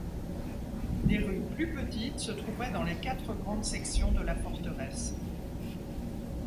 Des rues plus petites se trouvaient dans les quatre grandes sections de la forteresse.